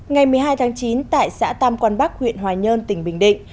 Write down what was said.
ngày một mươi hai tháng chín tại xã tam quang bắc huyện hòa nhơn tỉnh bình định